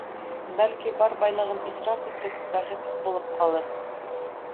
Бәлки, бар байлығын исраф итеп, бәхетһеҙ булып ҡалыр.